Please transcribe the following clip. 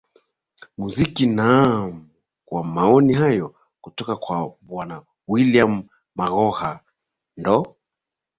muziki naam kwa maoni hayo kutoka kwa bwana william maghoha ndo